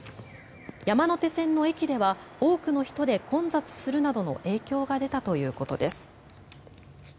山手線の駅では多くの人で混雑するなどの影響が出たということです。